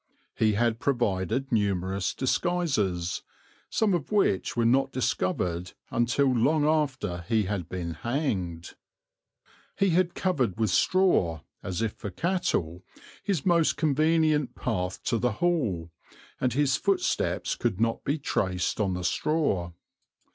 He had provided numerous disguises, some of which were not discovered until long after he had been hanged. He had covered with straw, as if for cattle, his most convenient path to the Hall, and his footsteps could not be traced on the straw.